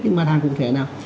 những mặt hàng cụ thể nào